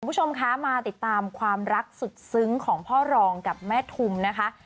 คุณผู้ชมคะมาติดตามความรักสุดซึ้งของพ่อรองกับแม่ทุมนะคะ